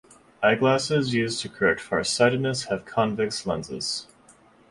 Eyeglasses used to correct far-sightedness have convex lenses.